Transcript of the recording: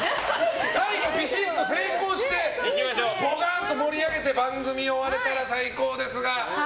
最後びしっと成功してボカンと盛り上げて番組終われたら最高ですが。